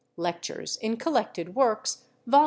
("Lec tures" in Collected Works, vol.